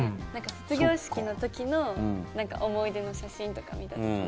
卒業式の時の思い出の写真とか見た時に。